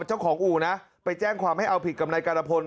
เจ้าของอู่นะไปแจ้งความให้เอาผิดกับนายการพล